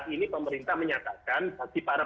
ini pemerintah menyatakan bagi para